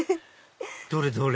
どれどれ？